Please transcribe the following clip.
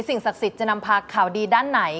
สิ่งศักดิ์สิทธิ์จะนำพาข่าวดีด้านไหน